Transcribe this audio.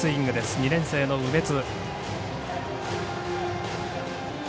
２年生の梅津。